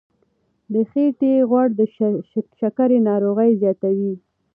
د خېټې غوړ د شکرې ناروغي زیاتوي.